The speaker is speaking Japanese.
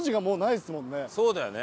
そうだよね。